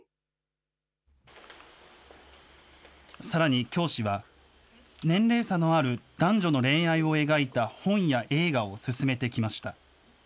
さらに教師は、年齢差のある男女の恋愛を描いた本や映画を薦めてきました。